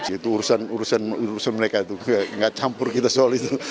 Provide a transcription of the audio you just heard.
situ urusan mereka itu nggak campur kita soal itu